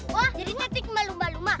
wah jadinya stigma lumba lumba